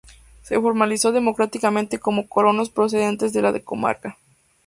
Se formalizó demográficamente con colonos procedentes de la comarca.